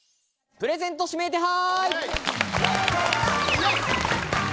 プレゼント指名手配！